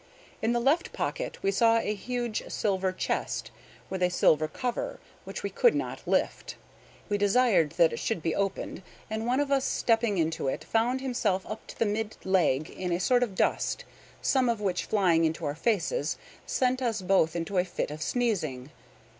In the left pocket we saw a huge silver chest, with a silver cover, which we could not lift. We desired that it should be opened, and one of us stepping into it found himself up to the mid leg in a sort of dust, some of which flying into our faces sent us both into a fit of sneezing.